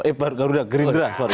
eh pak garuda gerindra sorry